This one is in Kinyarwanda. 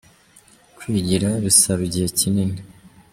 Kwigira bisaba igihe kinini.